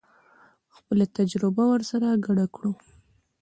خپله تجربه ورسره ګډه کړو.